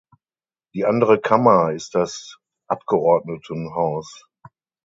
Die andere Kammer ist das Abgeordnetenhaus.